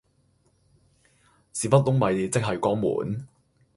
屎忽窿咪即係肛門